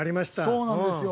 そうなんですよ。